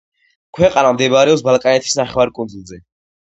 ქვეყანა მდებარეობს ბალკანეთის ნახევარკუნძულზე.